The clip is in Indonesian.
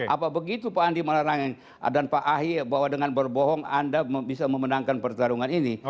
apa begitu pak andi malarangin dan pak ahy bahwa dengan berbohong anda bisa memenangkan pertarungan ini